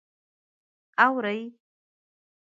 _اورې؟